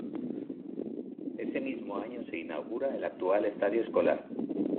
Ese mismo año se inaugura el actual estadio escolar.